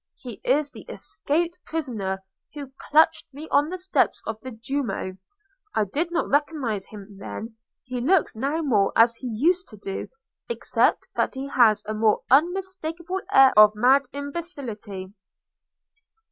"He is the escaped prisoner who clutched me on the steps of the Duomo. I did not recognise him then; he looks now more as he used to do, except that he has a more unmistakable air of mad imbecility."